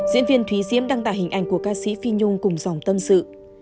diễn viên thúy diễm đăng tải hình ảnh của ca sĩ phi nhung cùng dòng tâm sự